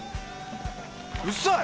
うるさい！